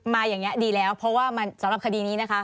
อย่างนี้ดีแล้วเพราะว่ามันสำหรับคดีนี้นะคะ